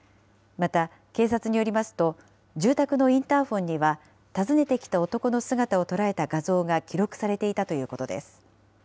また、警察によりますと、住宅のインターフォンには訪ねてきた男の姿を捉えた画像が記録されていたということです。